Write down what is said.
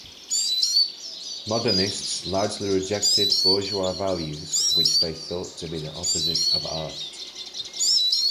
"Modernistes" largely rejected bourgeois values, which they thought to be the opposite of art.